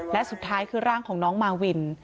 และสุดท้ายคือร่างของน้องมาวิน